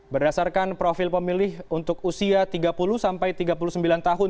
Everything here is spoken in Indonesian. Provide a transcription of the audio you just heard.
berdasarkan profil pemilih untuk usia tiga puluh sampai tiga puluh sembilan tahun